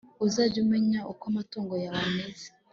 uzajye umenya uko amatungo yawe ameze